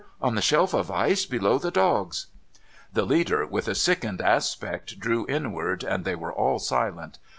On the shelf of ice below the dogs !' The leader, with a sickened aspect, drew inward, and they were all silent.